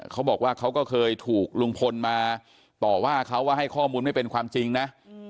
เขาก็เคยถูกลุงพลมาต่อว่าเขาว่าให้ข้อมูลไม่เป็นความจริงนะ